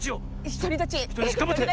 ひとりだちがんばって。